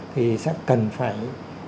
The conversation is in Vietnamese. thì sẽ cần phải